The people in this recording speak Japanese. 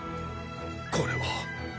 これは。